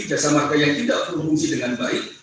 jasa marga yang tidak berfungsi dengan baik